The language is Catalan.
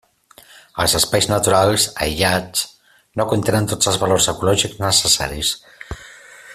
Els espais naturals, aïllats, no contenen tots els valors ecològics necessaris.